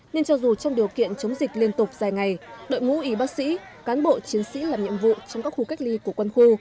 nên cho dù trong điều kiện chống dịch liên tục dài ngày đội ngũ y bác sĩ cán bộ chiến sĩ làm nhiệm vụ trong các khu cách ly của quân khu